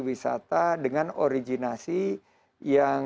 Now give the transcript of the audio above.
pendekatan kita akan menggunakan